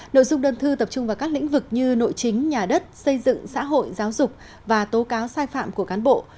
nội dung đơn thư tập trung vào các lĩnh vực như nội chính nhà đất xây dựng xã hội giáo dục và tố cáo sai phạm của cán bộ